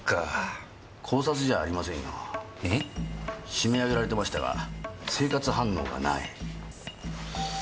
絞め上げられてましたが生活反応がない。